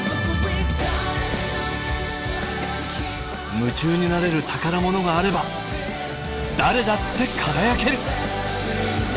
夢中になれる宝物があれば誰だって輝ける！